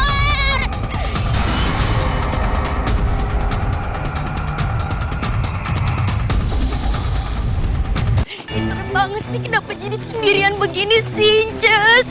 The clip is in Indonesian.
ini serem banget sih kenapa jadi sendirian begini sih